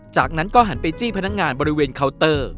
จากนั้นก็หันไปจี้พนักงานบริเวณเคาน์เตอร์